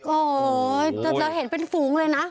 โอ๊ยแต่เราเห็นเป็นฝูงเลยนะ